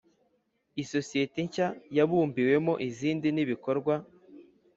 Isosiyete nshya yabumbiwemo izindi n ibikorwa